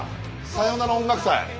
「さよなら音楽祭」。